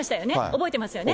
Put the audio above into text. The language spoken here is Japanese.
覚えてますよね？